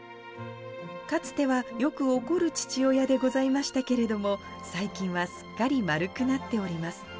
かつてはよく怒る父親でございましたけれども、最近はすっかり丸くなっております。